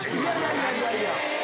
・いやいやいや・え。